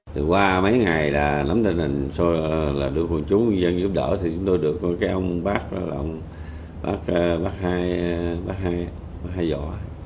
từ qua mấy ngày là lắm tình hình sau là được quân chú quân dân giúp đỡ thì chúng tôi được cái ông bác bác hai bác hai bác hai dò